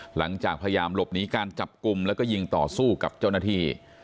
หลังจากพยายามหลบหนีการจับกลุ่มแล้วก็ยิงต่อสู้กับเจ้าหน้าที่